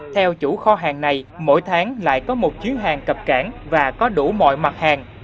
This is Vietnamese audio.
theo chủ kho hàng này mỗi tháng lại có một chuyến hàng cập cảng và có đủ mọi mặt hàng